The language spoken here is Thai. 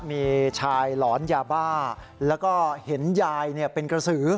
มีชายหลอนยาบ้าแล้วก็เห็นยายเป็นกระสือ